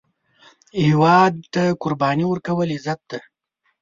هیواد ته قرباني ورکول، عزت دی